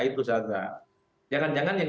itu saja jangan jangan yang